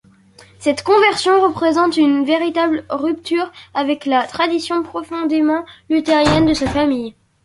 Cette conversion représente une véritable rupture avec la tradition profondément luthérienne de sa famille.